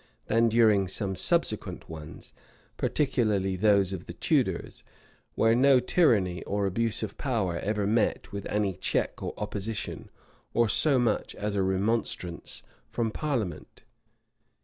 than during some subsequent ones, particularly those of the Tudors, where no tyranny or abuse of power ever met with any check or opposition, or so much as a remonstrance, from parliament.